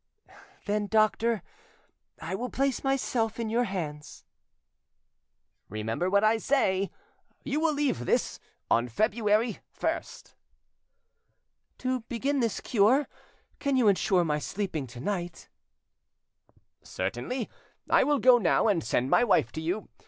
"Then, doctor, I will place myself in your hands." "Remember what I say. You will leave this on February 1st." "To begin this cure, can you ensure my sleeping to night?" "Certainly. I will go now, and send my wife to you.